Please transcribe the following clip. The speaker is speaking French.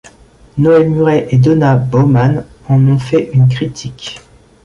Noel Murray et Donna Bowman en ont fait une critique.